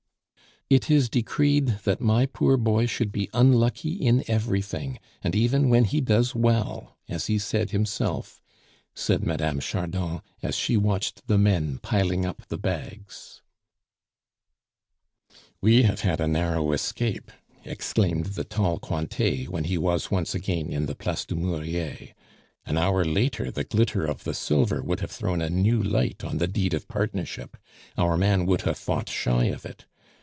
"It is decreed that my poor boy should be unlucky in everything, and even when he does well, as he said himself," said Mme. Chardon, as she watched the men piling up the bags. "We have had a narrow escape!" exclaimed the tall Cointet, when he was once more in the Place du Murier. "An hour later the glitter of the silver would have thrown a new light on the deed of partnership. Our man would have fought shy of it.